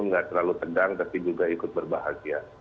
nggak terlalu tedang tapi juga ikut berbahagia